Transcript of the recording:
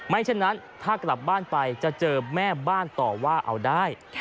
ฉะนั้นถ้ากลับบ้านไปจะเจอแม่บ้านต่อว่าเอาได้